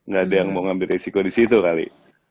gak ada yang mau ngambil resiko disitu kali